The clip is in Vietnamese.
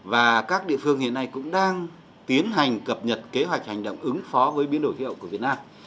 và các địa phương hiện nay cũng đang tiến hành cập nhật kế hoạch hành động ứng phó với biến đổi khí hậu của việt nam